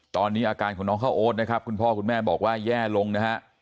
ตอนนี้อาการของน้องข้าวโอ๊ตนะครับคุณพ่อคุณแม่บอกว่าแย่ลงนะฮะ